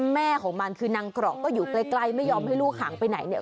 แม่ของมันคือนางเกราะก็อยู่ใกล้ไม่ยอมให้ลูกหางไปไหนเนี่ย